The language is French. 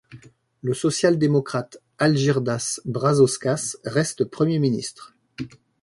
Le social-démocrate Algirdas Brazauskas reste Premier ministre.